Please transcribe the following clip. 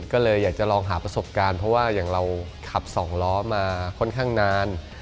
ก็เลยอยากจะลองหาประสบการณ์เพราะว่าอย่างเราขับสองล้อมาค่อนข้างนาน